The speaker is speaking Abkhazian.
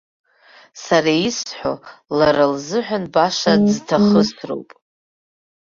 Сара исҳәо лара лзыҳәан баша ӡҭахысроуп.